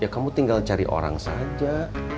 kamu tinggal cari orang saja